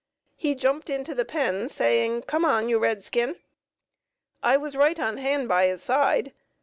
He jumped into the pen, saying, "Come on, you red skin." I was right on hand by his side.